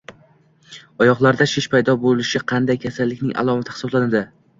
Oyoqlarda shish paydo bo‘lishi qanday kasallikning alomati hisoblanadi?